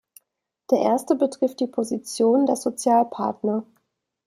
Der Erste betrifft die Position der Sozialpartner.